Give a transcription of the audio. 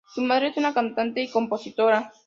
Su madre es una cantante y compositora.